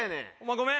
ごめん。